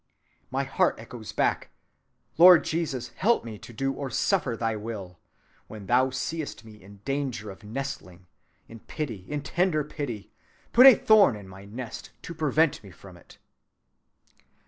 My heart echoes back, 'Lord Jesus, help me to do or suffer thy will. When thou seest me in danger of nestling,—in pity—in tender pity,—put a thorn in my nest to prevent me from it.